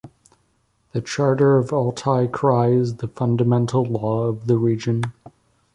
The Charter of Altai Krai is the fundamental law of the region.